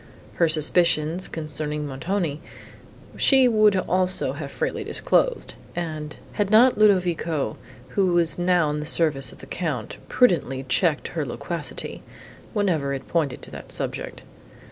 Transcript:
Her suspicions, concerning Montoni, she would also have freely disclosed, had not Ludovico, who was now in the service of the Count, prudently checked her loquacity, whenever it pointed to that subject.